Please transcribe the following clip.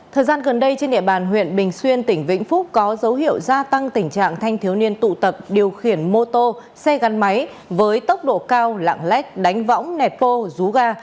thời gian gần đây trên địa bàn huyện bình xuyên tỉnh vĩnh phúc có dấu hiệu gia tăng tình trạng thanh thiếu niên tụ tập điều khiển mô tô xe gắn máy với tốc độ cao lạng lách đánh võng nẹt vô rú ga